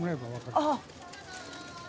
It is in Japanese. あっ！